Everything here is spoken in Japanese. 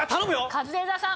カズレーザーさん。